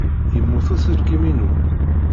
Yemmut uselkim-inu.